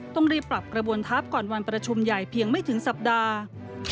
ต้องรีบปรับกระบวนทัพก่อนวันประชุมใหญ่เพียงไม่ถึงสัปดาห์